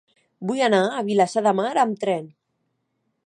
Vull anar a Vilassar de Mar amb tren.